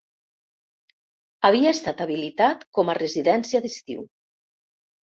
Havia estat habilitat com a residència d'estiu.